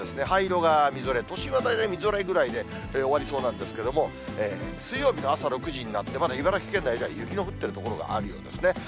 灰色がみぞれ、都心は大体みぞれぐらいで終わりそうなんですけれども、水曜日の朝６時になって、まだ茨城県内では雪の降っている所があるようですね。